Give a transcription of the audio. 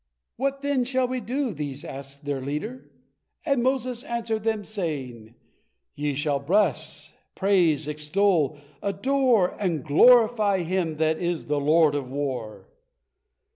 "What, then, shall we do?" these asked their leader, and Moses answered them, saying, "Ye shall bless, praise, extol, adore and glorify Him that is the Lord of war!"